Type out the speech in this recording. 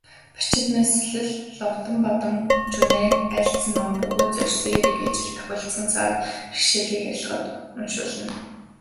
Барчидламсэл нь Ловонбадамжунайн айлдсан ном бөгөөд зорьсон хэрэг ажилд тохиолдсон саад бэрхшээлийг арилгахад уншуулна.